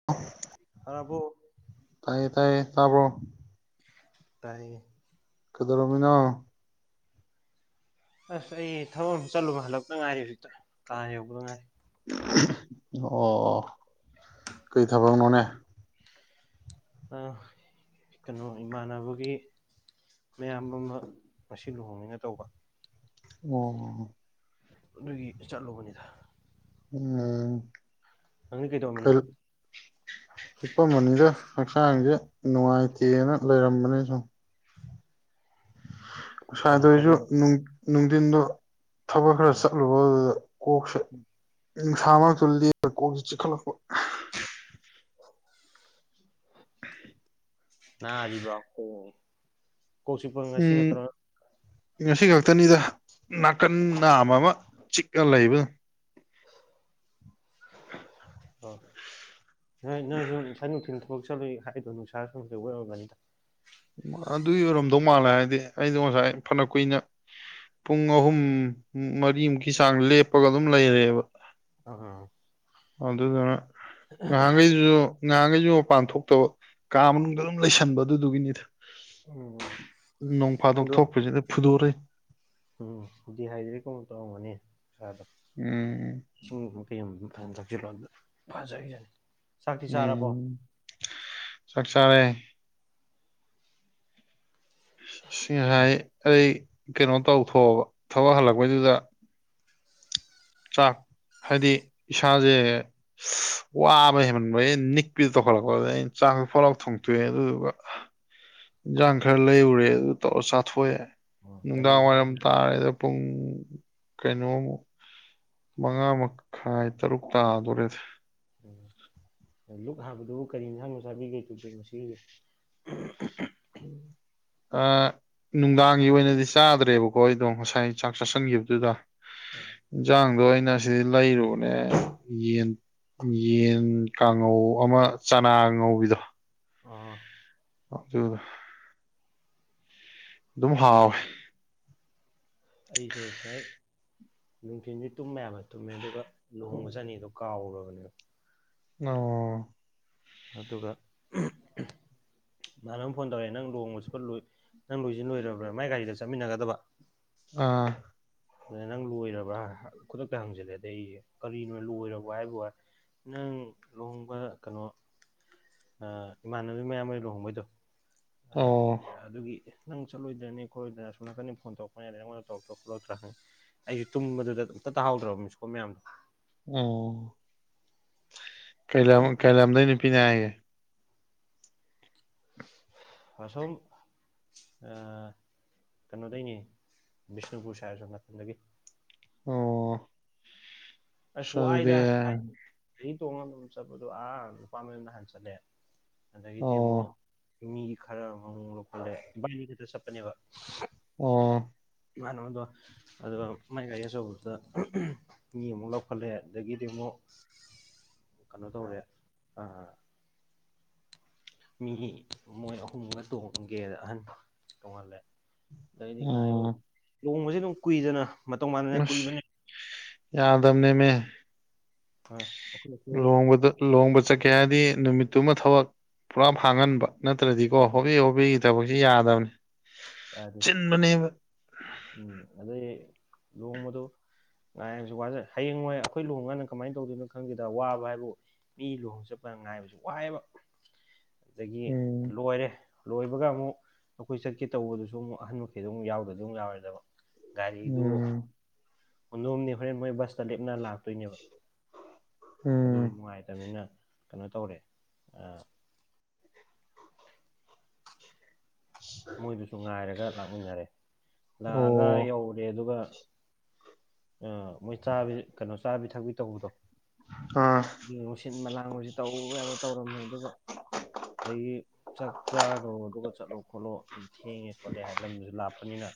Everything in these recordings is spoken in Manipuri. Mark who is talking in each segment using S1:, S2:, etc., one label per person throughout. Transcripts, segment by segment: S1: [unintelligible]
S2: ꯍꯥꯔꯕꫭ꯫
S1: ꯇꯥꯏꯌꯦ ꯇꯥꯏꯌꯦ ꯇꯥꯔꯕ꯭ꯔꯣ꯫
S2: ꯇꯥꯌꯦ꯫
S1: ꯀꯩꯗꫭꯔꯝꯃꯤꯅꯣ꯫
S2: ꯑꯁ ꯑꯩ ꯊꯕꯛ ꯑꯃ ꯆꯠꯂꯨꯕ ꯍꯜꯂꯛꯄꯗ ꯉꯥꯏꯔꯤ ꯍꯧꯖꯤꯛꯇ ꯀꯥ ꯌꯧꯕꯗ ꯉꯥꯏꯔꯤ꯫
S1: ꯑꯣ ꯀꯩ ꯊꯕꯛꯅꯣꯅꯦ꯫
S2: ꯀꯩꯅꯣ ꯏꯃꯥꯟꯅꯕꯒꯤ ꯃꯌꯥꯝꯕ ꯑꯃ ꯉꯁꯤ ꯂꯨꯍꯣꯡꯅꯤꯡꯅ ꯇꯧꯕ꯫
S1: ꯑꯣ꯫
S2: ꯑꯗꯨꯒꯤ ꯆꯠꯂꯨꯕꯅꯤꯗ꯫ ꯅꯪꯗꯤ ꯀꯩꯗꯧꯔꯝꯃꯤꯅꯣ
S1: [unintelligible] ꯍꯤꯞꯄꯝꯕꯅꯤꯗ ꯍꯛꯆꯥꯡꯁꯦ ꯅꯨꯡꯉꯥꯏꯇꯦꯅ ꯂꯩꯔꯝꯕꯅꯤ ꯁꯨꯝ꯫ ꯉꯁꯥꯏꯗꯣ
S2: ꯀꯔꯤ
S1: ꯑꯩꯁꯨ ꯅꯨꯡꯊꯤꯟꯗꯣ ꯊꯕꯛ ꯈꯔ ꯆꯠꯂꯨ ꯕꯗꯨꯗ ꯀꯣꯛꯁꯦ ꯅꯨꯡꯁꯥ ꯃꯔꯛꯇꯨꯗ ꯂꯞꯄꯦ ꯀꯣꯛꯁꯦ ꯆꯤꯛꯈꯠꯂꯛꯄ꯫
S2: ꯅꯥꯔꯤꯕ꯭ꯔꯣ ꯑꫭ ꯀꯣꯛ ꯆꯤꯄ ꯉꯁꯤ
S1: ꯎꯝ
S2: ꯈꯛꯇ
S1: ꯉꯁꯤ ꯈꯛꯇꯅꯤꯗ ꯅꯥꯀꯟ ꯅꯥꯝ ꯑꯃ ꯆꯤꯛꯔ ꯂꯩꯕ꯫ [inaudible]
S2: [inaudible]
S1: ꯑꯗꯨꯒꯤ ꯑꯣꯏꯔꯝꯗꯧ ꯃꯥꯜꯂꯦ ꯍꯥꯏꯗꯤ ꯑꯩꯗꯣ ꯉꯁꯥꯏ ꯐꯅ ꯀꯨꯏꯅ꯫ ꯄꯨꯡ ꯑꯍꯨꯝ ꯃꯔꯤꯃꯨꯛꯀꯤ ꯆꯥꯡ ꯂꯦꯞꯄꯒ ꯑꯗꯨꯝ ꯂꯩꯔꯦꯕ꯫
S2: ꯑꯪꯑꯥ
S1: ꯑꯗꯨꯗꯨꯅ ꯉꯍꯥꯟꯒꯩꯖꯨ ꯉꯍꯥꯟꯒꯩꯖꯨ ꯃꯄꯥꯟ ꯊꯣꯛꯇꯕ ꯀꯥ ꯃꯅꯨꯡꯗ ꯑꯗꯨꯝ ꯂꯩꯁꯟꯕ ꯑꯗꯨꯗꯨꯒꯤꯅꯤꯗ
S2: ꯎꯝ
S1: ꯅꯣꯡ ꯐꯥꯗꯣꯛ
S2: ꯅꯪꯗꯣ
S1: ꯊꯣꯛꯄꯖꯤꯅ ꯐꯨꯗꯣꯔꯩ
S2: ꯎꯝ ꯗꯤ ꯍꯥꯏꯗ꯭ꯔꯦꯠꯀꯨꯝꯕ ꯇꯧꯔꯝꯒꯅꯤ ꯁꯥꯗꯣ
S1: ꯎꯝ
S2: ꯏꯁꯤꯡꯒꯨꯝꯕ ꯀꯩꯒꯨꯝꯕ ꯐꯖꯅ ꯊꯛꯆꯤꯜꯂꯣ ꯑꯗꯨꯗ ꯐꯖꯒꯤꯖꯅꯤ ꯆꯥꯛꯇꯤ ꯆꯥꯔꯕꯣ
S1: ꯎꯝ ꯆꯥꯛ ꯆꯥꯔꯦ ꯁꯤ ꯉꯁꯥꯏ ꯑꯩ ꯀꯩꯅꯣ ꯇꯧꯊꯣꯛꯑꯕ ꯊꯕꯛ ꯍꯜꯂꯛꯄꯩꯗꯨꯗ ꯆꯥꯛ ꯍꯥꯏꯗꯤ ꯏꯁꯥꯖꯦ ꯋꯥꯕꯅ ꯍꯦꯟꯃꯟꯕꯒꯤ ꯅꯤꯛꯄꯤꯗꯣ ꯇꯧꯈꯠꯂꯛꯄ ꯑꯗꯩ ꯑꯩꯅ ꯆꯥꯛꯇꯨ ꯐꯠ ꯂꯥꯎ ꯊꯣꯡꯇꯣꯛꯑꯦ ꯑꯗꯨꯗꯨꯒ ꯏꯟꯖꯥꯡ ꯈꯔ ꯂꯩꯔꯨꯔꯦ ꯑꯗꯨ ꯇꯧꯔ ꯆꯥꯊꯣꯛꯑꯦ
S2: ꯑꯣ ꯀꯔꯤ
S1: ꯅꯨꯡꯗꯥꯡ
S2: ꯌꯦꯟꯁꯥꯡ
S1: ꯋꯥꯏꯔꯝ
S2: ꯑꯣꯏꯅ
S1: ꯇꯥꯔꯦꯗ ꯄꯨꯡ ꯀꯩꯅꯣꯃꯨꯛ ꯃꯉꯥ ꯃꯈꯥꯏ ꯇꯔꯨꯛ ꯇꯥꯗꯣꯔꯦꯗ
S2: ꯂꯨꯛ ꯍꯥꯕꯗꯨꯕꯨ ꯀꯔꯤ ꯏꯟꯖꯥꯡꯅꯣ ꯆꯥꯕꯤꯒ꯭ꯔꯤꯗꯨꯕꯣ ꯉꯁꯤꯒꯤ
S1: [inaudible] ꯑꯥ ꯅꯨꯡꯗꯥꯡꯒꯤ ꯑꯣꯏꯅꯗꯤ ꯆꯥꯗ꯭ꯔꯦꯕꯀꯣ ꯑꯩꯗꯣ ꯉꯁꯥꯏ ꯆꯥꯛ ꯆꯥꯁꯤꯟꯒꯤꯕꯗꯨꯗ
S2: ꯑꯣ
S1: ꯏꯟꯖꯥꯡꯗꯣ ꯑꯩꯅ ꯁꯤꯗꯩ ꯂꯩꯔꯨꯕꯅꯦ ꯌꯦꯟ ꯌꯦꯟ ꯀꯥꯡꯉꯧ ꯑꯃ ꯆꯅꯥꯒ ꯉꯧꯕꯤꯗꯣ
S2: ꯑꯥ
S1: ꯑꯣꯛꯇꯨꯒ ꯑꯗꯨꯝ ꯍꯥꯎꯋꯦ
S2: ꯑꯩꯁꯨ ꯎꯞꯁꯥꯏ ꯅꯨꯡꯊꯤꯟꯖꯤ ꯇꯨꯝꯕ ꯌꯥꯕ ꯇꯨꯝꯃꯦ ꯑꯗꯨꯒ ꯂꯨꯍꯣꯡꯕ ꯆꯠꯅꯤꯗꯣ ꯀꯥꯎꯔꯨꯔꯕꯅꯦ
S1: ꯑꯣ
S2: ꯑꯗꯨꯒ ꯏꯃꯥꯟꯅꯕꯅ ꯐꯣꯟ ꯇꯧꯔꯛꯑꯦ ꯅꯪ ꯂꯨꯍꯣꯡꯕ ꯆꯠꯄ ꯂꯣꯏ ꯅꯪ ꯂꯣꯏꯖꯤꯟ ꯂꯣꯏꯔꯕ꯭ꯔꯥ ꯃꯥꯏ ꯒꯥꯔꯤꯗ ꯆꯠꯃꯤꯟꯅꯒꯗꯕ
S1: ꯑꯥ
S2: ꯑꯗꯨꯗ ꯅꯪ ꯂꯣꯏꯔꯕ꯭ꯔꯥ ꯈꯨꯗꯛꯇ ꯍꯪꯖꯜꯂꯦ ꯑꯗꯩ ꯑꯩꯖꯦ ꯀꯔꯤꯅꯣ ꯂꯣꯏꯔꯕꯣ ꯍꯥꯏꯕꯣ ꯅꯪ ꯂꯨꯍꯣꯡꯕ ꯀꯅꯣ ꯑ ꯏꯃꯥꯟꯅꯕꯩ ꯃꯌꯥꯝꯕ ꯂꯨꯍꯣꯡꯕꯩꯗꯣ ꯑꯗ
S1: ꯑꯣ
S2: ꯑꯗꯨꯒꯤ ꯅꯪ ꯆꯠꯂꯣꯏꯗ꯭ꯔꯅꯦ ꯈꯣꯠꯂꯣꯏꯗ꯭ꯔ ꯑꯁꯣꯟ ꯅꯥꯀꯟꯗꯩ ꯐꯣꯟ ꯇꯧꯔꯛꯄꯅꯦ ꯑꯗꯩ ꯑꯩꯉꯣꯟꯗ ꯇꯧꯔꯛ ꯇꯧꯔꯛꯄ꯭ꯔ ꯈꯣꯠꯇ꯭ꯔ ꯍꯪꯉꯦ ꯑꯩꯖꯨ ꯇꯨꯝꯕꯗꯨꯗ ꯑꯝꯇ ꯇꯥꯍꯥꯎꯗ꯭ꯔꯕ ꯃꯤꯁꯀꯣꯟ ꯃꯌꯥꯝꯗꯣ
S1: ꯑꯣ ꯀꯩ ꯂꯝ ꯀꯩꯂꯝꯗꯩ ꯅꯨꯄꯤꯅꯦ ꯍꯥꯏꯒꯦ
S2: ꯑꯁꯣꯝ ꯑ ꯀꯅꯣꯗꯩꯅꯤ ꯕꯤꯁꯅꯨꯄꯨꯔ ꯁꯥꯏꯠ ꯑꯁꯣꯝ ꯅꯥꯊꯟꯗꯒꯤ
S1: ꯑꯣ
S2: ꯑꯁ ꯋꯥꯏꯗ ꯒꯥꯔꯤ ꯇꯣꯡꯉ ꯑꯗꯨꯝ ꯆꯠꯄꯗꯣ ꯑꯥ ꯅꯨꯄꯥ ꯃꯌꯨꯝꯗ ꯍꯟ ꯆꯠꯂꯦ ꯑꯗꯒꯤꯗꯤ
S1: ꯑꯣ
S2: ꯑꯃꯨꯛ ꯃꯤ ꯈꯔ ꯑꯃꯃꯨꯛ ꯂꯧꯈꯠꯂꯦ ꯕꯤꯒꯤꯈꯤꯠꯇ ꯆꯠꯄꯅꯦꯕ
S1: ꯑꯣ
S2: ꯃꯥꯟꯅꯣꯗꯣ ꯑꯗꯨꯒ ꯃꯥꯏ ꯒꯥꯔꯤ ꯑꯆꯧꯕꯗꯨꯗ ꯃꯤ ꯑꯃꯨꯛ ꯂꯧꯈꯠꯂꯦ ꯑꯗꯒꯤꯗꯤ ꯑꯃꯨꯛ ꯀꯩꯅꯣ ꯇꯧꯔꯦ ꯑꯥ ꯃꯤ ꯃꯣꯏ ꯑꯍꯨꯝꯒ ꯇꯣꯡꯒꯦꯅ ꯑꯍꯟꯗꯣ ꯇꯣꯡꯍꯜꯂꯦ ꯑꯗꯩꯗꯤ
S1: ꯑꯣ
S2: [unintelligible] ꯑꯗꯨꯝ ꯀꯨꯏꯗꯅ ꯃꯇꯧ ꯃꯥꯟꯅꯅ
S1: ꯏꯁ
S2: ꯀꯨꯏꯕꯅꯦ
S1: ꯌꯥꯗꯕꯅꯦꯃꯦ
S2: [inaudible] ꯑꯩꯈꯣꯏ
S1: ꯂꯨꯍꯣꯡꯕꯗ ꯂꯨꯍꯣꯡꯕ ꯆꯠꯀꯦ ꯍꯥꯏꯔꯗꯤ ꯅꯨꯃꯤꯠꯇꯨꯃ ꯊꯕꯛ ꯄꯨꯂꯞ ꯍꯥꯡꯍꯟꯕ ꯅꯠꯇ꯭ꯔꯗꯤꯀꯣ ꯍꯣꯕꯦ ꯍꯣꯕꯦꯒꯤ ꯊꯕꯛꯁꯤ ꯌꯥꯗꯕꯅꯤ
S2: ꯌꯥꯗꯦ
S1: ꯆꯤꯟꯕꯅꯦꯕ
S2: ꯎꯝ ꯑꯗꯩ ꯂꯨꯍꯣꯡꯕꯗꯣ ꯉꯥꯏꯔꯁꯨ ꯋꯥꯖꯩ ꯍꯌꯦꯡꯋꯥꯏ ꯑꯩꯈꯣꯏ ꯂꯨꯍꯣꯡꯀꯥꯟꯗ ꯀꯃꯥꯏꯅ ꯇꯧꯗꯣꯏꯅꯣ ꯈꯪꯗꯦꯗ ꯋꯥꯕ ꯍꯥꯏꯕꯕꯨ ꯃꯤ ꯂꯨꯍꯣꯡ ꯆꯠꯄꯗ ꯉꯥꯏꯕꯁꯨ ꯋꯥꯏꯌꯦꯕ
S1: [inaudible] [unintelligible]
S2: ꯑꯗꯒꯤ
S1: ꯎꯝ
S2: ꯂꯣꯏꯔꯦ ꯂꯣꯏꯕꯒ ꯑꯃꯨꯛ ꯑꯩꯈꯣꯏ ꯆꯠꯀꯦ ꯇꯧꯕꯗꯨꯁꯨ ꯑꯃꯨꯛ ꯑꯍꯟꯃꯈꯩꯗꯨ ꯑꯃꯨꯛ ꯌꯥꯎꯗ꯭ꯔꯗꯤ ꯑꯃꯨꯛ ꯌꯥꯔꯣꯏꯗꯕ ꯒꯥꯔꯤꯗꯨ
S1: ꯎꯝ
S2: ꯀꯨꯟꯗꯣꯝꯗꯤ ꯍꯣꯔꯦꯟ ꯃꯣꯏ ꯕꯁꯇ ꯂꯦꯞꯅꯔꯒ ꯂꯥꯛꯇꯣꯏꯅꯦꯕ
S1: ꯎꯝ
S2: ꯑꯗꯨꯅ ꯅꯨꯡꯉꯥꯏꯇꯕꯅꯤꯅ ꯀꯩꯅꯣ ꯇꯧꯔꯦ ꯑꯥ
S1: [inaudible]
S2: ꯃꯣꯏꯗꯨꯁꯨ ꯉꯥꯏꯔꯒ ꯂꯥꯛꯃꯤꯟꯅꯔꯦ ꯂꯥꯛꯑꯒ
S1: ꯑꯣ
S2: ꯌꯧꯔꯦ ꯑꯗꯨꯒ ꯑ ꯃꯣꯏ ꯆꯥꯕꯤ ꯀꯩꯅꯣ ꯆꯥꯕꯤ ꯊꯛꯄꯤ ꯇꯧꯕꯗꯣ
S1: ꯑꯥ
S2: [unintelligible] ꯁꯤꯟꯕ ꯂꯥꯡꯕꯁꯤ ꯇꯧꯕ ꯌꯥꯕ ꯇꯧꯔꯝꯃꯦ ꯑꯗꯨꯒ ꯑꯗꯒꯤ ꯆꯥꯛ ꯆꯥꯈ꯭ꯔꯣ ꯑꯗꯨꯒ ꯆꯠꯂꯣ ꯈꯣꯠꯂꯣ ꯑꯗꯨ ꯊꯦꯡꯉꯦ ꯈꯣꯠꯂꯦ ꯍꯥꯏꯔꯦ ꯂꯝꯗꯨꯁꯨ ꯂꯥꯞꯄꯅꯤꯅ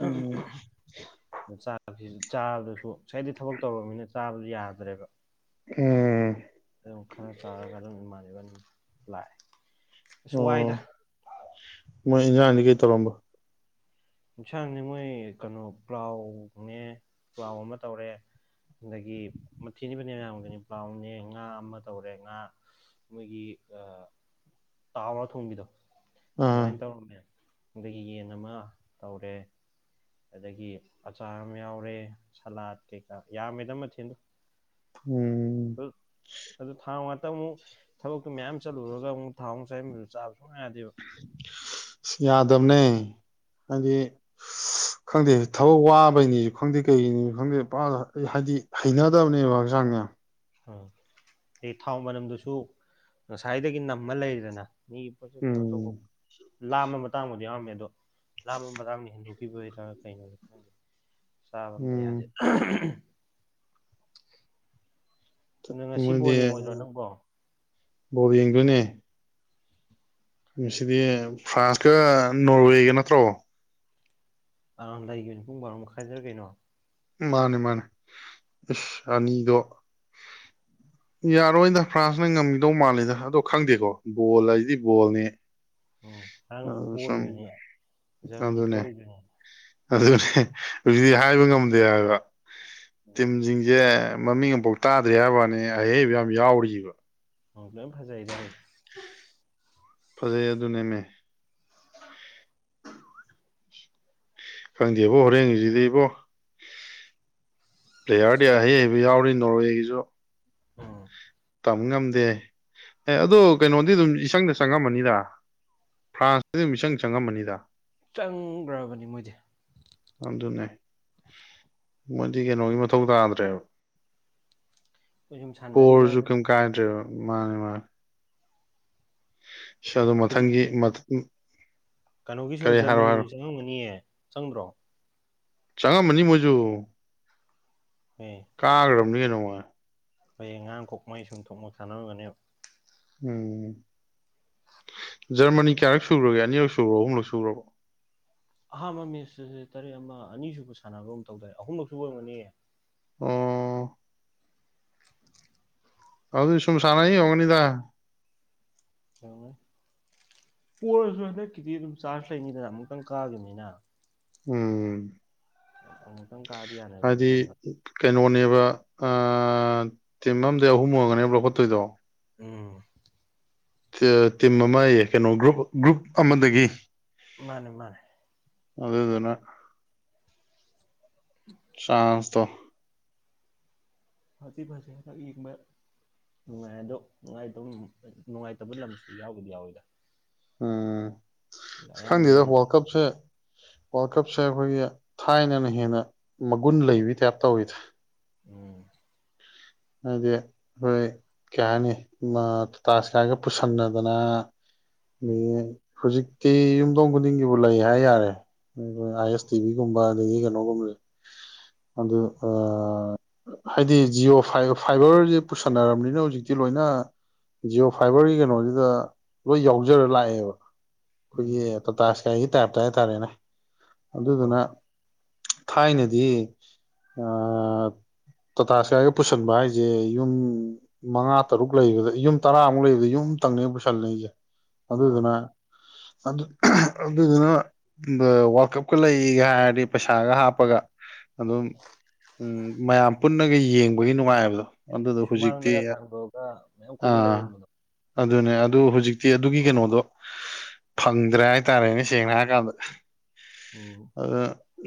S1: ꯎꯝ
S2: ꯆꯥꯕꯗꯁꯨ ꯉꯥꯁꯥꯏꯗꯒꯤ ꯊꯕꯛ ꯇꯧꯔꯕꯅꯤꯅ ꯆꯥꯕꯁꯨ ꯌꯥꯗ꯭ꯔꯦꯕ
S1: ꯎꯝ
S2: ꯑꯗꯨꯝ ꯈꯔ ꯆꯥꯔꯒ ꯑꯗꯨꯝ ꯏꯃꯥꯟꯅꯕ ꯑꯗꯨꯝ ꯂꯥꯛꯑꯦ ꯑꯁ ꯋꯥꯏꯗ
S1: ꯑꯣ ꯃꯣꯏ ꯏꯟꯖꯥꯡꯗꯤ ꯀꯩ ꯇꯧꯔꯝꯕ
S2: ꯏꯟꯁꯥꯡꯅꯦ ꯃꯣꯏ ꯀꯩꯅꯣ ꯄ꯭ꯂꯥꯎꯅꯦ ꯄ꯭ꯂꯥꯎ ꯑꯃ ꯇꯧꯔꯦ ꯑꯗꯒꯤ ꯃꯊꯤꯗꯤ ꯐꯅꯌꯥꯝ ꯌꯥꯝꯕꯅꯤ ꯄ꯭ꯂꯥꯎꯅꯦ ꯉꯥ ꯑꯃ ꯇꯧꯔꯦ ꯉꯥ ꯃꯣꯏꯒꯤ ꯑꯥ ꯇꯥꯎꯔ ꯊꯣꯡꯕꯤꯗꯣ
S1: ꯑꯥ
S2: ꯑꯗꯨꯃꯥꯏꯅ ꯇꯧꯔꯝꯃꯦ ꯑꯗꯒꯤ ꯌꯦꯟ ꯑꯃ ꯇꯧꯔꯦ ꯑꯗꯒꯤ ꯑꯆꯥꯔ ꯑꯃ ꯌꯥꯎꯔꯦ ꯁꯂꯥꯠ ꯀꯩꯀꯥ ꯌꯥꯝꯃꯦꯗ ꯃꯊꯦꯟꯗꯣ
S1: ꯎꯝ
S2: ꯑꯗꯨ ꯑꯗꯨ ꯊꯥ [unintelligible] ꯑꯃꯨꯛ ꯊꯕꯛꯇꯨ ꯃꯌꯥꯝ ꯆꯠꯂꯨꯔꯒ ꯑꯃꯨꯛ ꯊꯥꯎ ꯑꯃ [unintelligible] ꯆꯥꯕ ꯁꯨꯨꯡꯌꯥ ꯌꯥꯗꯦꯕ
S1: ꯌꯥꯗꯕꯅꯦ ꯍꯥꯏꯗꯤ ꯈꯪꯗꯦ ꯊꯕꯛ ꯋꯥꯕꯩꯅꯤꯁꯨ ꯈꯪꯗꯦ ꯀꯩꯒꯤꯅꯤꯁꯨ ꯈꯪꯗꯦ ꯄꯨꯔꯥ ꯍꯥꯏꯗꯤ ꯍꯩꯅꯗꯕꯅꯦꯕ ꯍꯛꯆꯥꯡꯖꯦ ꯌꯥꯝ
S2: ꯎꯝ ꯑꯩ ꯊꯥꯎ ꯃꯅꯝꯗꯨꯁꯨ ꯉꯁꯥꯏꯗꯒꯤ ꯅꯝꯃ ꯂꯩꯔꯤꯗꯅ ꯃꯤ [unintelligible] ꯀꯩꯅꯣ ꯇꯧꯕ
S1: ꯎꯝ
S2: ꯂꯥꯝꯕ ꯃꯇꯥꯡꯕꯨꯗꯤ ꯌꯥꯎꯔꯝꯃꯦ ꯑꯗꯣ ꯂꯥꯝꯕ ꯃꯇꯥꯡꯗ ꯍꯦꯟꯗꯣꯛꯈꯤꯕꯩꯔ ꯀꯩꯅꯣ ꯈꯪꯗꯦ ꯆꯥꯕ ꯑꯝꯇ
S1: ꯎꯝ
S2: ꯌꯥꯗꯦ ꯅ ꯉꯁꯤ
S1: ꯃꯣꯏꯗꯤ
S2: ꯕꯣꯜ ꯌꯦꯡꯉꯣꯏꯗ꯭ꯔꯣ ꯅꯪꯕꯣ
S1: ꯕꯣꯔ ꯌꯦꯡꯗꯣꯏꯅꯦ ꯃꯁꯤꯗꯤ ꯐ꯭ꯔꯥꯟꯁꯀ ꯅꯣꯔꯋꯦꯒ ꯅꯠꯇ꯭ꯔꯣ
S2: ꯑ ꯂꯩꯒꯤꯕꯅꯤ ꯄꯨꯡ ꯕꯥꯔꯣ ꯃꯈꯥꯏꯗ꯭ꯔ ꯀꯩꯅꯣ
S1: ꯃꯥꯅꯤ ꯃꯥꯅꯤ ꯏꯁꯁ ꯑꯅꯤꯗꯣ ꯌꯥꯔꯣꯏꯗ ꯐ꯭ꯔꯥꯟꯁꯅ ꯉꯝꯈꯤꯗꯧ ꯃꯥꯜꯂꯤꯗ ꯑꯗꯣ ꯈꯪꯗꯦꯀꯣ ꯕꯣꯜ ꯍꯥꯏꯁꯤꯗꯤ ꯕꯣꯜꯅꯤ
S2: ꯎꯝ ꯉꯔꯥꯡꯡꯁꯨ
S1: ꯑꯗꯨ ꯁꯨꯝ
S2: ꯄꯣꯔꯤꯗꯨꯅꯦ ꯖꯔꯃꯅꯤ
S1: ꯑꯗꯨꯅꯦ
S2: ꯄꯣꯔꯤꯗꯨꯅꯦ
S1: ꯑꯗꯨꯅꯦ ꯍꯧꯖꯤꯛꯇꯤ ꯍꯥꯏꯕ ꯉꯝꯗꯦ ꯍꯥꯏꯕ
S2: ꯎꯝ
S1: ꯇꯤꯝꯁꯤꯡꯁꯤ ꯑꯦ ꯃꯃꯤꯡ ꯑꯃꯐꯥꯎ ꯇꯥꯗ꯭ꯔꯤ ꯍꯥꯏꯕ ꯋꯥꯅꯤ ꯑꯍꯩꯕ ꯌꯥꯝ ꯌꯥꯎꯔꯤꯕ꯫
S2: [inaudible]
S1: ꯐꯖꯩ ꯑꯗꯨꯅꯦꯃꯦ꯫
S2: [inaudible]
S1: ꯈꯪꯗꯦꯕꯣ ꯍꯣꯔꯦꯟꯁꯤꯗꯤ ꯏꯕꯣ꯫ ꯄ꯭ꯂꯦꯌꯥꯔꯗꯤ ꯑꯍꯩ ꯍꯩꯕ ꯌꯥꯎꯔꯤ ꯅꯣꯔꯋꯦꯒꯤꯁꯨ꯫
S2: [unintelligible]
S1: ꯇꯝ ꯉꯝꯗꯦ ꯑꯦ ꯑꯗꯨꯣ ꯀꯩꯅꯣꯗꯤ ꯑꯗꯨꯝ ꯏꯁꯪꯗ ꯆꯪꯉꯝꯃꯅꯤꯗ꯫ ꯐ꯭ꯔꯥꯟꯁꯇꯗꯤ ꯃꯤꯆꯪ ꯆꯪꯉꯝꯃꯅꯤꯗ꯫
S2: ꯆꯪꯈ꯭ꯔꯕꯅꯤ ꯃꯣꯏꯗꯤ꯫
S1: ꯑꯗꯨꯟꯅꯦ꯫ ꯃꯗꯤ ꯀꯩꯅꯣꯒꯤ ꯃꯊꯧ ꯇꯥꯗ꯭ꯔꯦꯕ꯫
S2: ꯑꯩꯈꯣꯏ ꯁꯨꯝ ꯁꯥꯟꯅꯔꯤꯕ
S1: ꯄꯣꯔꯁꯨ ꯀꯩꯝ
S2: ꯍꯥꯏꯗꯨꯅꯤ꯫
S1: ꯃꯥꯅꯦ ꯃꯥꯅꯦ꯫ ꯑꯗꯣ ꯃꯊꯪꯒꯤ ꯃꯊ
S2: ꯀꯩꯅꯣꯒꯤꯁꯨ ꯖꯔꯃꯅꯤꯁꯨ ꯆꯪꯉꯝꯒꯅꯤꯌꯦ ꯆꯪꯗ꯭ꯔꯣ꯫
S1: ꯆꯪꯉꯝꯃꯅꯤ ꯃꯣꯏꯁꯨ꯫
S2: [inaudible]
S1: ꯀꯥꯒ꯭ꯔꯕꯅꯤ ꯅꯣ ꯃꫭꯏ꯫
S2: ꯍꯣꯏ ꯑꯉꯥꯡꯈꯣꯛ ꯃꯩ ꯁꯨꯝ ꯊꯣꯛꯅ ꯁꯥꯟꯅꯔꯨꯒꯅꯦꯕ꯫
S1: ꯎꯝ꯫
S2: [unintelligible]
S1: ꯖꯔꯅꯤ ꯀꯌꯥꯔꯛ ꯁꯨꯔꯒꯦ ꯑꯅꯤꯛ ꯁꯨꯔꯣ ꯑꯍꯨꯝꯂꯛ ꯁꯨꯔꯕꯣ꯫
S2: ꯑꯍꯥꯟꯕ ꯃꯦꯠꯁꯇꯁꯦ ꯇꯔꯦꯠ ꯑꯃ ꯑꯅꯤꯁꯨꯕ ꯁꯥꯟꯅꯕ ꯑꯃ ꯇꯧꯗꯦ ꯑꯍꯨꯝꯂꯛ ꯁꯨꯕ ꯑꯣꯏꯔꯒꯅꯤ꯫
S1: ꯑꯣ꯫ ꯑꯗꯨ ꯁꯨꯝ ꯁꯥꯟꯅꯩ ꯑꫭꯏꯔꯝꯒꯅꯤꯗ꯫
S2: ꯄꫭꯔꯁꯨ ꯍꯟꯗꯛꯀꯤꯗꯤ ꯑꯗꯨꯝ ꯆꯥꯔꯖ ꯂꯩꯅꯤꯗꯅ ꯑꯃꯨꯛꯇꯪ ꯀꯥꯈꯤꯕꯅꯤꯅ꯫
S1: ꯎꯝ꯫ ꯍꯥꯏꯗꯤ
S2: [inaudible]
S1: ꯀꯩꯅꯣꯅꯦꯕ ꯑꯥ ꯇꯤꯝ ꯑꯝꯗ ꯑꯍꯨꯝ ꯑꯣꯏꯔꯝꯒꯅꯦꯕ ꯂꯧꯈꯠꯇꯣꯏꯗꯣ꯫
S2: ꯎꯝ꯫
S1: ꯇ ꯇꯤꯝ ꯑꯃ ꯑꯦ ꯀꯩꯅꯣ ꯒ꯭ꯔꯨꯞ ꯒ꯭ꯔꯨꯞ ꯑꯃꯗꯒꯤ꯫
S2: ꯃꯥꯅꯦ ꯃꯥꯅꯦ꯫
S1: ꯑꯗꯨꯗꯨꯅ
S2: [unintelligible]
S1: ꯆꯥꯟꯁꯇꯣ꯫
S2: [unintelligible] ꯅꯨꯡꯉꯥꯏ ꯑꯗꯣ ꯅꯨꯡꯉꯥꯏꯇꯕ ꯅꯨꯡꯉꯥꯏꯇꯕ ꯂꯝꯁꯨ ꯌꯥꯎꯕꯨꯗꯤ ꯌꯥꯎꯋꯤꯗ꯫
S1: ꯎꯝ ꯈꯪꯗꯦꯗ
S2: ꯑꯌꯥꯝꯕꯅꯗꯤ
S1: ꯋꯥꯔꯜ ꯀꯞꯁꯦ ꯋꯥꯔꯜ ꯀꯞꯁꯦ ꯑꯩꯈꯣꯏꯒꯤ ꯊꯥꯏꯅꯅ ꯍꯦꯟꯅ ꯃꯒꯨꯟ ꯂꯩꯕꯩ ꯇꯥꯏꯞ ꯇꯧꯋꯤꯗ꯫
S2: ꯎꯝ꯫
S1: [unintelligible] ꯀꯩ ꯍꯥꯏꯅꯤ ꯑꯃ ꯇꯁꯥꯏꯛꯀ ꯄꯨꯁꯟꯅꯗꯅ꯫ ꯑ
S2: ꯎꯝ
S1: ꯍꯧꯖꯤꯛꯇꯤ ꯌꯨꯝꯊꯣꯡ ꯈꯨꯗꯤꯡꯒꯤꯕꯨ ꯂꯩ ꯍꯥꯏ ꯌꯥꯔꯦ꯫ [unintelligible] ꯑꯥꯏ ꯑꯦꯁ ꯇꯤꯚꯤꯒꯨꯝꯕ ꯑꯗꯒꯤ ꯀꯅꯣꯒꯨꯝꯕꯖꯦ [unintelligible] ꯍꯥꯏꯗꯤ ꯖꯤꯌꯣ ꯐꯥꯏ ꯐꯥꯏꯕꯔꯖꯦ ꯄꯨꯁꯟꯅꯔꯝꯅꯤꯅ ꯍꯧꯖꯤꯛꯇꯤ ꯂꯣꯏꯅ ꯖꯤꯌꯣ ꯐꯥꯏꯕꯔꯒꯤ ꯀꯩꯅꯣꯖꯤꯗ ꯂꯣꯏ ꯌꯥꯎꯖꯔ ꯂꯥꯛꯑꯦꯕ ꯈꯣꯏꯒꯤ
S2: ꯎꯝ
S1: ꯇꯇꯥ ꯁꯀꯥꯏꯒꯤ ꯇꯥꯏꯞꯇ ꯍꯥꯏꯇꯥꯔꯦꯅꯦ ꯑꯗꯨꯗꯨꯅ
S2: ꯍꯣꯏ
S1: ꯊꯥꯏꯅꯗꯤ ꯑꯥ ꯇꯇꯥ ꯁꯀꯥꯏꯒ ꯄꯨꯁꯟꯕ ꯍꯥꯏꯖꯦ ꯌꯨꯝ ꯃꯉꯥ ꯇꯔꯨꯛ ꯂꯩꯕꯗ ꯌꯨꯝ ꯇꯔꯥꯃꯨꯛ ꯂꯩꯕꯗ ꯌꯨꯝ ꯇꯪꯅꯦ ꯄꯨꯁꯜꯂꯩꯖꯦ
S2: ꯃꯥꯅꯦ
S1: ꯑꯗꯨꯗꯨꯅ ꯑꯗꯨ ꯑꯗꯨꯗꯨꯅ ꯕ ꯋꯥꯔꯀꯞꯀ ꯂꯩꯒ ꯍꯥꯏꯔꯗꯤ ꯄꯩꯁꯥꯒ ꯍꯥꯞꯄꯒ ꯑꯗꯨꯝ ꯎꯝ ꯃꯌꯥꯝ ꯄꯨꯟꯅꯒ ꯌꯦꯡꯕꯒꯤ ꯅꯨꯡꯉꯥꯏꯕꯗꯣ ꯑꯗꯨꯗꯣ ꯍꯧꯖꯤꯛꯇꯤ
S2: ꯁꯨꯃꯥꯡꯗꯒ ꯊꯥꯡꯇꯣꯛꯑꯒ ꯃꯌꯥꯝ ꯀꯣꯏꯖꯜꯂ
S1: ꯑꯥ
S2: ꯌꯦꯡꯕꯗꯣ
S1: ꯑꯗꯨꯅꯦ ꯑꯗꯨ ꯍꯧꯖꯤꯛꯇꯤ ꯑꯗꯨꯒꯤ ꯀꯩꯅꯣꯗꯣ ꯐꯪꯗ꯭ꯔꯦ ꯍꯥꯏꯇꯥꯔꯦꯅꯦ ꯁꯦꯡꯅ ꯍꯥꯏꯔ ꯀꯥꯟꯗ
S2: ꯎꯝ
S1: ꯑꯗ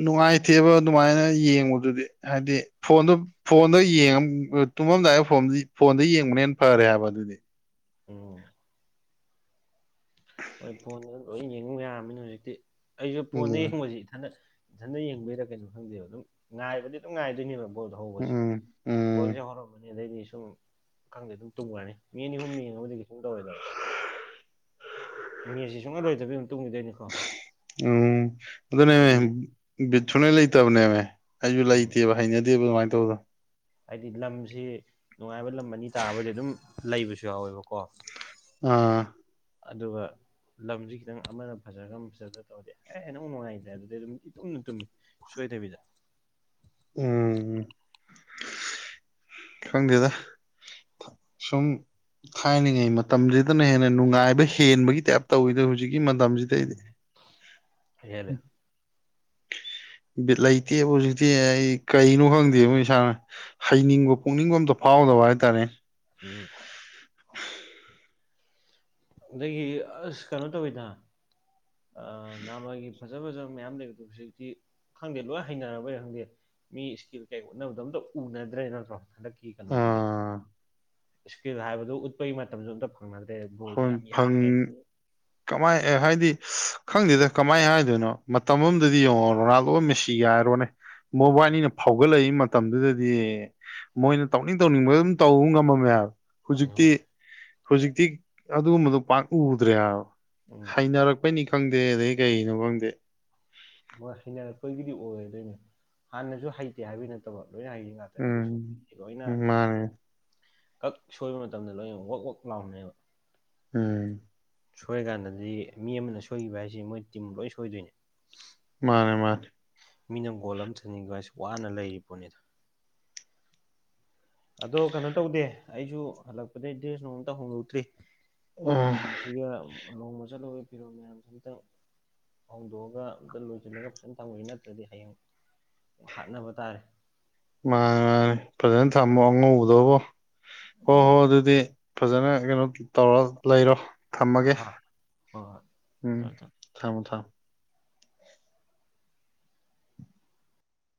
S1: ꯅꯨꯡꯉꯥꯏꯇꯦꯕ ꯑꯗꯨꯃꯥꯏꯅ ꯌꯦꯡꯕꯗꯨꯗꯤ ꯍꯥꯏꯗꯤ ꯐꯣꯟꯗꯨ ꯐꯣꯟꯗ [unintelligible] ꯇꯨꯝꯃꯝꯗꯥꯏ ꯐꯣꯟꯗꯤ ꯐꯣꯟꯗꯩ ꯌꯦꯡꯕꯅ ꯐꯔꯦ ꯍꯥꯏꯕ ꯑꯗꯨꯗꯤ
S2: ꯑꯣ ꯍꯣꯏ ꯐꯣꯟꯗ ꯂꯣꯏ ꯌꯦꯡꯌꯥꯔꯝꯃꯤꯅ ꯍꯧꯖꯤꯛꯇꯤ ꯑꯩꯖꯨ ꯐꯣꯟꯗ
S1: ꯎꯝ
S2: ꯌꯦꯡꯕꯖꯤ ꯏꯊꯟꯗ ꯏꯊꯟꯗ ꯌꯦꯡꯗꯣꯏꯔꯥ ꯀꯩꯅꯣ ꯈꯪꯗꯦꯕ ꯑꯗꯨꯝ ꯉꯥꯏꯕꯗꯤ ꯑꯗꯨꯝ ꯉꯥꯏꯗꯣꯏꯅꯦꯕ ꯕꯣꯜ ꯍꯧꯕꯖꯦ
S1: ꯎꯝ ꯎꯝ
S2: ꯕꯣꯜꯖꯦ ꯍꯧꯔꯝꯕꯅꯤ ꯑꯗꯩꯗꯤ ꯁꯨꯝ ꯈꯪꯗꯦ ꯑꯗꯨꯝ ꯇꯨꯝꯒꯔꯅꯤ ꯃꯤ ꯑꯅꯤꯍꯨꯝ ꯌꯦꯡꯉꯕꯨꯗꯤ ꯀꯩꯁꯨꯝ ꯇꯧꯔꯣꯏꯗꯕ ꯅꯦꯠꯖꯦ ꯁꯨꯡꯂꯣꯏ ꯂꯣꯏꯗꯕꯤ ꯗꯨꯝ ꯇꯨꯝꯒꯤꯗꯣꯏꯅꯤ
S1: ꯎꯝ ꯑꯗꯨꯅꯦꯃꯦ
S2: ꯍꯥꯏꯗꯤ
S1: ꯕꯤꯠ ꯁꯨꯂꯩꯇꯕꯅꯦꯃꯦ ꯑꯩꯖꯨ
S2: ꯎꯝ
S1: ꯂꯩꯇꯦꯕ ꯍꯩꯅꯗꯦꯕ ꯑꯗꯨꯃꯥꯏ ꯇꯧꯕꯗꯣ
S2: ꯍꯥꯏꯗꯤ ꯂꯝꯁꯤ ꯅꯨꯡꯉꯥꯏꯕ ꯂꯝ ꯑꯅꯤ ꯇꯥꯕꯣꯏꯗꯤ ꯑꯗꯨꯝ ꯂꯩꯕꯁꯨ ꯌꯥꯎꯌꯦꯕꯀꯣ
S1: ꯑꯥ
S2: ꯑꯗꯨꯒ ꯂꯝꯖꯤ ꯈꯤꯇꯪ ꯑꯃꯅ ꯐꯖꯔꯒ ꯑꯃ ꯐꯖꯗ ꯇꯧꯔꯗꯤ ꯍꯦꯟꯅ ꯑꯃꯨꯛ ꯅꯨꯡꯉꯥꯏꯇ꯭ꯔꯦ ꯑꯗꯨꯗꯩ ꯑꯗꯨꯝ ꯏꯇꯨꯝꯗ ꯇꯨꯝꯃꯤ ꯁꯣꯏꯗꯕꯤꯗ
S1: ꯎꯝ ꯈꯪꯗꯦꯗ ꯁꯨꯝ ꯊꯥꯏꯅꯥꯉꯩ ꯃꯇꯝꯖꯤꯗꯅ ꯍꯦꯟꯅ ꯅꯨꯡꯉꯥꯏꯕ ꯍꯦꯟꯕꯒꯤ ꯇꯥꯏꯞ ꯇꯧꯌꯤꯗ ꯍꯧꯖꯤꯛ ꯀꯤ ꯃꯇꯝꯖꯤ
S2: ꯎꯝ [unintelligible]
S1: ꯕꯤꯠ ꯂꯩꯇꯦꯕꯣ ꯍꯧꯖꯤꯛꯇꯤ ꯑꯩ ꯀꯩꯅꯣ ꯈꯪꯗꯦꯕꯣ ꯏꯁꯥꯅ ꯍꯩꯅꯤꯡꯕ ꯄꯣꯛꯅꯤꯡꯕ ꯑꯝꯇ ꯐꯥꯎꯗꯕ ꯍꯥꯏꯇꯥꯔꯦ
S2: [unintelligible] ꯑꯗꯒꯤ ꯑꯁ ꯀꯩꯅꯣ ꯇꯧꯋꯤꯗ ꯑ ꯅꯍꯥꯟꯋꯥꯏꯒꯤ ꯐꯖ ꯐꯖꯕ ꯃꯌꯥꯝ ꯂꯩꯕꯗꯣ ꯍꯧꯖꯤꯛꯇꯤ ꯈꯪꯗꯦ ꯂꯣꯏ ꯍꯩꯅꯔꯕꯩꯔ ꯈꯪꯗꯦ ꯃꯤ ꯁ꯭ꯀꯤꯜ ꯀꯩ ꯎꯠꯅꯕꯗꯣ ꯑꯝꯇ ꯎꯅꯗ꯭ꯔꯦ ꯅꯠꯇ꯭ꯔꯣ ꯍꯟꯗꯛꯀꯤ ꯀꯩꯅꯣꯁꯤꯗꯤ
S1: ꯑꯥ
S2: ꯁ꯭ꯀꯤꯜ ꯍꯥꯏꯕꯗꯣ ꯎꯠꯄꯒꯤ ꯃꯇꯝꯖꯨ ꯑꯝꯇ ꯐꯪꯅꯗ꯭ꯔꯦ ꯕꯣꯜꯁꯦ
S1: ꯍꯣꯏ
S2: ꯌꯥꯝ
S1: ꯐꯪ
S2: ꯌꯥꯡꯉꯦ
S1: ꯀꯃꯥꯏ ꯑꯦ ꯍꯥꯏꯗꯤ ꯈꯪꯗꯦꯗ ꯀꯃꯥꯏ ꯍꯥꯏꯗꯣꯏꯅꯣ ꯃꯇꯝ ꯑꯃꯗꯗꯤ ꯌꯦꯡꯉꯣ ꯔꯣꯅꯥꯜꯗꯣ ꯃꯦꯁ ꯁꯤ ꯍꯥꯏꯔꯣꯅꯦ ꯃꯧꯕꯥꯏꯅꯤꯅ ꯐꯥꯎꯒꯠꯂꯛꯏ ꯃꯠ ꯇꯝꯗꯨꯗꯗꯤ ꯃꯣꯏꯅ ꯇꯧꯅꯤꯡ ꯇꯧꯅꯤꯡꯕ ꯑꯗꯨꯝ ꯇꯧꯕ ꯉꯝꯃꯝꯃꯦ ꯍꯥꯏꯕ ꯍꯨꯖꯤꯛꯇꯤ ꯍꯨꯖꯤꯛꯇꯤ ꯑꯗꯨꯒꯨꯝꯕꯗꯣ ꯄꯥꯛ ꯎꯗ꯭ꯔꯦ ꯍꯥꯏꯕ
S2: ꯎꯝ
S1: ꯍꯩꯅꯔꯛ ꯄꯩꯅꯤ ꯈꯪꯗꯦ ꯑꯗꯩ ꯀꯩꯒꯤꯅꯣ ꯈꯪꯗꯦ
S2: ꯃꯣꯏ ꯍꯩꯅꯔꯛꯄꯒꯤꯗꯤ ꯑꯣꯏꯗꯣꯏꯅꯦ ꯍꯥꯟꯅꯁꯨ ꯍꯩꯇꯦ ꯍꯥꯏꯕꯩ ꯅꯠꯇꯕ ꯂꯣꯏꯅ ꯍꯩꯔꯤ ꯉꯥꯠ
S1: ꯎꯝ
S2: ꯑꯗꯨꯁꯨ ꯂꯣꯏꯅ
S1: ꯃꯥꯅꯦ
S2: ꯀꯛ ꯁꯣꯏꯕ ꯃꯇꯝꯗ ꯂꯣꯏꯅ ꯋꯛ ꯋꯛ ꯂꯥꯎꯅꯦꯕ
S1: ꯎꯝ
S2: ꯁꯣꯏꯔꯀꯥꯟꯗꯗꯤ ꯃꯤ ꯑꯃꯅ ꯁꯣꯏꯒꯤꯕ ꯍꯥꯏꯁꯤ ꯃꯣꯏ ꯇꯤꯝ ꯂꯣꯏ ꯁꯣꯏꯗꯣꯏꯅꯦ
S1: ꯃꯥꯅꯦ ꯃꯥꯅꯦ
S2: ꯃꯤꯅ ꯒꯣꯜ ꯑꯃ ꯆꯟꯒꯤꯕ ꯍꯥꯏꯁꯤ ꯋꯥꯅ ꯂꯩꯔꯤꯄꯣꯅꯤꯗ ꯑꯗꯣ ꯀꯩꯅꯣ ꯇꯧꯗꯦ ꯑꯩꯁꯨ ꯍꯜꯂꯛꯄꯗꯩ ꯗ꯭ꯔꯦꯁ ꯅꯨꯡ ꯑꯝꯇ ꯍꯣꯡꯗꯣꯛꯇ꯭ꯔꯤ
S1: ꯎꯝ
S2: ꯁꯤꯒ ꯂꯨꯍꯣꯡꯕ ꯆꯠꯂꯨꯕꯩ ꯐꯤꯔꯣꯜ ꯃꯌꯥꯝꯁꯦ ꯑꯝꯇꯪ ꯐꯧꯗꯣꯛꯑꯒ ꯑꯝꯇ ꯂꯣꯏꯁꯤꯜꯂꯒ ꯐꯖꯅ ꯊꯝꯒꯦ ꯅꯠꯇ꯭ꯔꯗꯤ ꯍꯌꯦꯡ ꯍꯥꯠꯅꯕ ꯇꯥꯔꯦ
S1: ꯃꯥꯅꯦ ꯃꯥꯅꯦ ꯐꯖꯅ ꯊꯝꯃꯣ ꯑꯉꯧꯕꯗꯕꫭ ꯍꯣ
S2: ꯑꯣ
S1: ꯍꯣꯏ ꯑꯗꯨꯗꯤ ꯐꯖꯅ ꯀꯩꯅꯣ ꯇꯧꯔ ꯂꯩꯔꯣ
S2: ꯍꯣꯏ
S1: ꯊꯝꯃꯒꯦ
S2: ꯍꯣꯏ
S1: ꯎꯝ
S2: ꯊꯝꯃꯦ ꯊꯝꯃꯦ
S1: ꯊꯃꯣ ꯊꯃꯣ